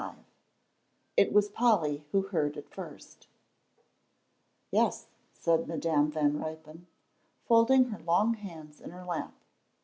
XXV IT WAS POLLY WHO HEARD IT FIRST "Yes," said Madam Van Ruypen, folding her long hands in her lap.